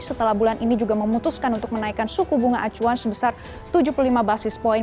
setelah bulan ini juga memutuskan untuk menaikkan suku bunga acuan sebesar tujuh puluh lima basis point